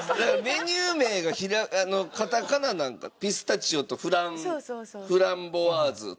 メニュー名がカタカナなんかピスタチオとフランボワーズとか？